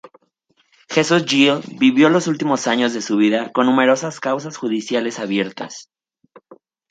Jesús Gil vivió los últimos años de su vida con numerosas causas judiciales abiertas.